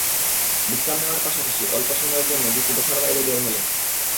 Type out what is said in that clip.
বিশ্রাম নেওয়ার পাশাপাশি অল্প সময়ের জন্য দিতি বাসার বাইরে বের হয়েছেন।